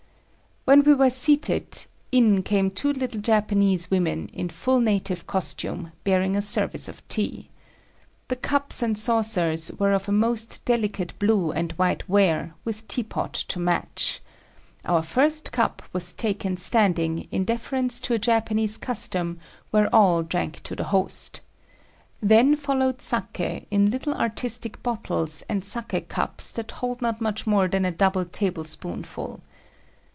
When we were seated in came two little Japanese women, in full native costume, bearing a service of tea. The cups and saucers were of a most delicate blue and white ware, with teapot to match. Our first cup was taken standing in deference to a Japanese custom where all drank to the host. Then followed saki in little artistic bottles and saki cups that hold not much more than a double tablespoonful.